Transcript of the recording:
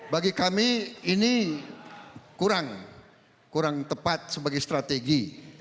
bagi kami ini kurang tepat sebagai strategi